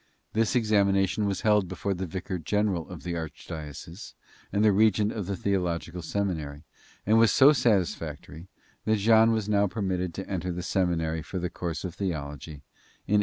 This examination was held before the vicar general of the archdiocese and the regent of the theological seminary, and was so satisfactory that Jean was now permitted to enter the seminary for the course of theology, in 1814.